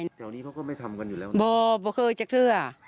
แต่วันนี้พวกเขาไม่ทำกันอยู่แล้วไม่พวกเขาอาจจะเตื้อ